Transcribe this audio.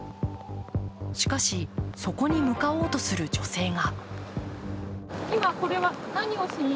しかし、そこに向かおうとする女性が。